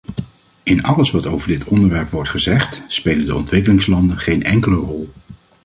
In alles wat over dit onderwerp wordt gezegd, spelen de ontwikkelingslanden geen enkele rol.